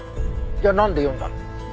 じゃあなんで呼んだの？